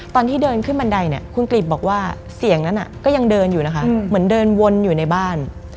ตอนที่เดินขึ้นบันไดเนี่ยคุณกริบบอกว่าเสียงนั้นก็ยังเดินอยู่นะคะเหมือนเดินวนอยู่ในบ้าน